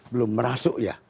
belum merasuk ya